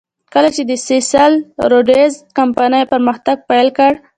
کله چې د سیسل روډز کمپنۍ پرمختګ پیل کړ.